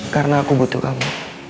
karena aku butuh kamu